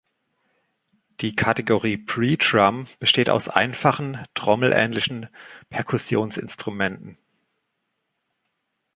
Die Kategorie Predrum besteht aus einfachen trommelähnlichen Perkussionsinstrumenten.